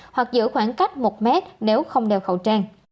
hoặc giữ khoảng cách một mét nếu không đeo khẩu trang